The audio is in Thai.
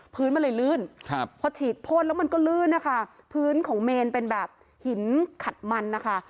พื้นมันเลยลื่นครับพอฉีดพ่นแล้วมันก็ลื่นนะคะพื้นของเมนเป็นแบบหินขัดมันนะคะ